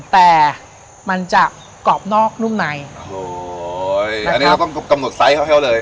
แต่มันจะกรอบนอกนุ่มในโอ้โหอันนี้เราต้องกำหนดไซส์เขาให้เขาเลย